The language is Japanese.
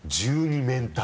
１２面体。